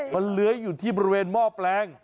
มันเลื้อยอยู่ที่บริเวณหม้อแปลง